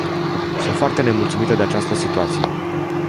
Sunt foarte nemulțumită de această situație.